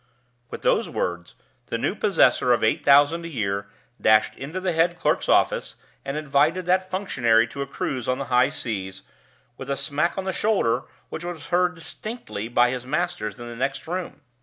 With those words, the new possessor of eight thousand a year dashed into the head clerk's office, and invited that functionary to a cruise on the high seas, with a smack on the shoulder which was heard distinctly by his masters in the next room.